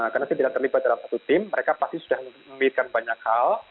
karena tidak terlibat dalam satu tim mereka pasti sudah mengambilkan banyak hal